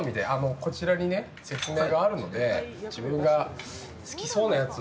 こちらに説明があるので自分が好きそうなやつを。